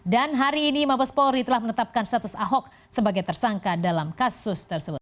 dan hari ini mabes polri telah menetapkan status ahok sebagai tersangka dalam kasus tersebut